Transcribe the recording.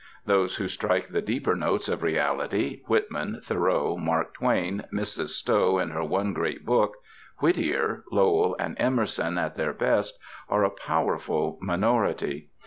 Those who strike the deeper notes of reality, Whitman, Thoreau, Mark Twain, Mrs. Stowe in her one great book, Whittier, Lowell and Emerson at their best, are a powerful minority.